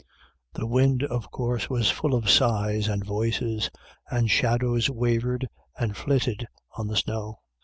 The wind, of course, was full of sighs and voices, and shadows wavered and flitted on the snow.